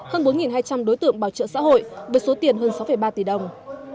hơn bốn hai trăm linh đối tượng bảo trợ xã hội với số tiền hơn sáu ba tỷ đồng